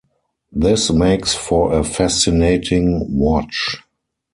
This makes for a fascinating watch.